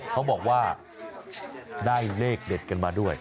เขาบอกว่าได้เลขเด็ดกันมาด้วย